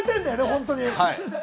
本当に。